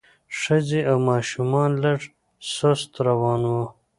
ښځې او ماشومان لږ سست روان وو.